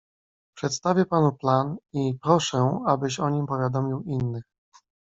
"Przedstawię panu plan i proszę, abyś o nim powiadomił innych."